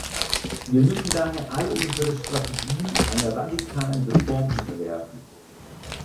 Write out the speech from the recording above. Wir müssen daher all unsere Strategien einer radikalen Reform unterwerfen.